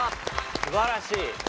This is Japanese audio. すばらしい。